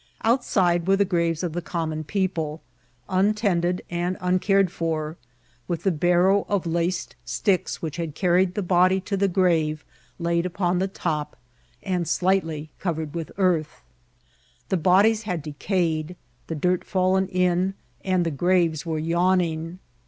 Outside were the graves of the common people, untended and uncared for, with the barrow of laced sticks which had carried the body to the grave laid upon the top, and slightly covered with earth. The bodies had decayed, the dirt fiedlen in, and the .graves were yawning.